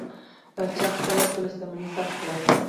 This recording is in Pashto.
پاچا خپله ټوله شتمني ثبت کړه.